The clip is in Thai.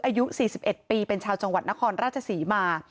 อายุ๔๑ปีเป็นชาวจังหวัดนครราชศรีมา